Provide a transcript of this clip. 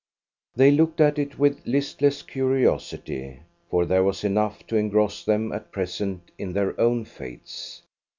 They looked at it with a listless curiosity, for there was enough to engross them at present in their own fates.